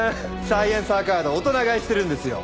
『サイエンサー』カード大人買いしてるんですよ。